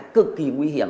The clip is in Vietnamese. cực kỳ nguy hiểm